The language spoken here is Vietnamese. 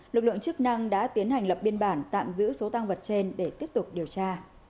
lực lượng chức năng đã tiến hành lập biên bản tạm giữ số tăng vật trên để tiếp tục điều tra